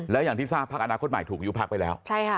แล้วอย่างที่ทราบพักอนาคตใหม่ถูกยุบพักไปแล้ว